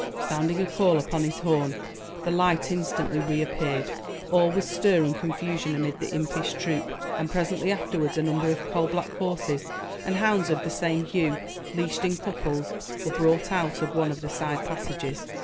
Sounding a call upon his horn, the light instantly reappeared. All was stir and confusion amid the impish troop and presently afterwards a number of coal black horses, and hounds of the same hue, leashed in couples, were brought out of one of the side passages.